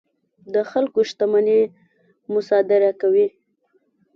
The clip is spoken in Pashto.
د خلکو شتمنۍ مصادره کوي.